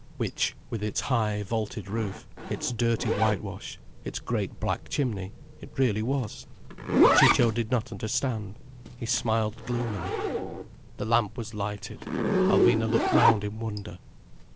Which, with its high, vaulted roof, its dirty whitewash, its great black chimney, it really was. But Ciccio did not understand. He smiled gloomily. The lamp was lighted. Alvina looked round in wonder.